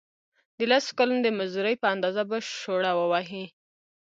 د لسو کلونو د مزدورۍ په اندازه به شوړه ووهي.